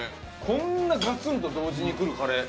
こんなガツンと同時にくるカレー。